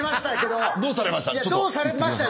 どうされました？